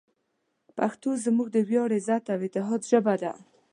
پښتو زموږ د ویاړ، غیرت، او اتحاد ژبه ده.